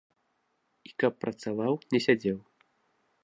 І каб працаваў, не сядзеў.